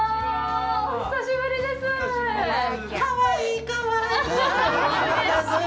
お久しぶりです。